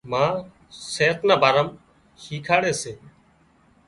ما صحت نا ڀارا مان شيکاڙي سي